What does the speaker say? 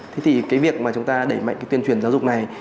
thế thì cái việc mà chúng ta đẩy mạnh cái tuyên truyền giáo dục này